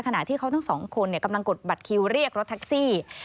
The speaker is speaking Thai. ขณะที่เขาทั้งสองคนกำลังกดบัตรคิวเรียกรถแท็กซี่